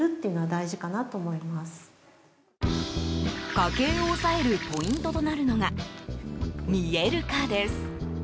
家計を抑えるポイントとなるのが見える化です。